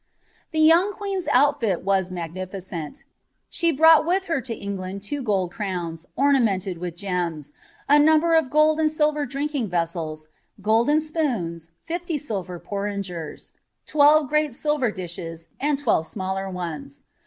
•ung queen^s outfit was magnificent' She brought with her to two gold crowns, ornamented with gems, a number of gold drinking vessels, golden spoons, fiily silver porringers, twelve T dishes, and twelve smaller ones.